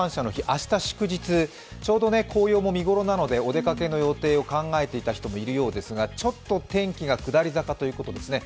明日祝日、ちょうど紅葉も見頃なので、お出かけの予定を考えていた人もいるようですが、ちょっと天気が下り坂ということですね。